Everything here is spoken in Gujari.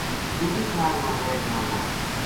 لُگی ٹھار ما رہ جاں گا‘‘